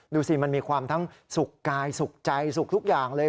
ดูสิมันมีความทั้งสุขกายสุขใจสุขทุกอย่างเลย